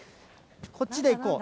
こっちでいこう。